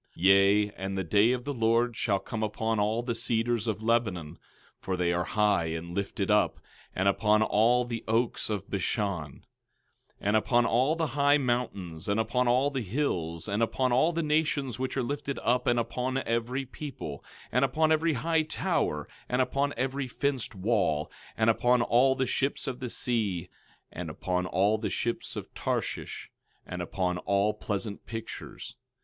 12:13 Yea, and the day of the Lord shall come upon all the cedars of Lebanon, for they are high and lifted up; and upon all the oaks of Bashan; 12:14 And upon all the high mountains, and upon all the hills, and upon all the nations which are lifted up, and upon every people; 12:15 And upon every high tower, and upon every fenced wall; 12:16 And upon all the ships of the sea, and upon all the ships of Tarshish, and upon all pleasant pictures.